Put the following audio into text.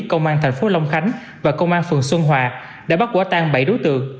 công an thành phố long khánh và công an phường xuân hòa đã bắt quả tan bảy đối tượng